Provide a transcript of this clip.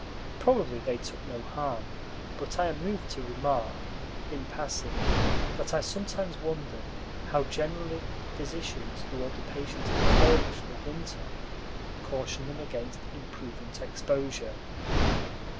Probably they took no harm; but I am moved to remark, in passing, that I sometimes wondered how generally physicians who order patients to Florida for the winter caution them against imprudent exposure.